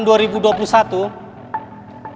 dan tahun dua ribu dua puluh satu